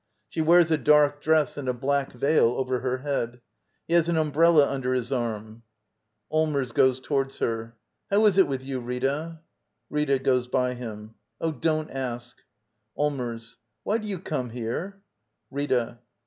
She wears a dark dress and a black veil over her head. He has an umbrella under his arm.] Allmers. [Cjoes toward her.] How is it with you, Rita? Rita. [Goes by him.] Oh, don't asL Allmers. Why do you come here? Rita.